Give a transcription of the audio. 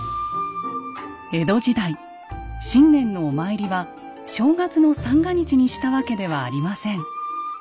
江戸時代新年のお参りは正月の三が日にしたわけではありません。